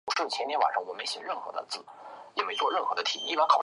调查对象总人口数